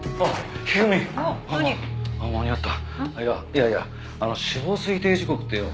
いやいや死亡推定時刻ってよ